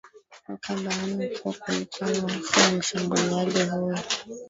weka bayana kuwa kulikuwa na hofu ya mshambuliaji huyo